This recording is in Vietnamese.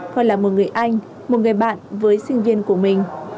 họ là một người anh một người bạn với sinh viên của mình